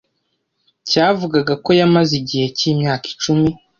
cyavugaga ko yamaze igihe cy’imyaka icumi